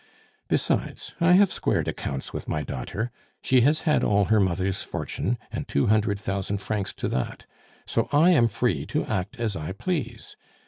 Besides, I have squared accounts with my daughter; she has had all her mother's fortune, and two hundred thousand francs to that. So I am free to act as I please.